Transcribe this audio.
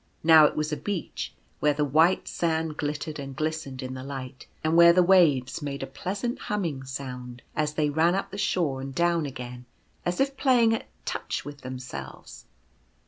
Now it was a beach, where the white sand glittered and glistened in the light, and where the waves made a pleasant humming sound as they ran up the shore and down again — as if playing at " touch " with themselves.